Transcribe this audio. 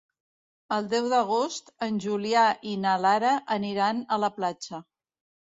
El deu d'agost en Julià i na Lara aniran a la platja.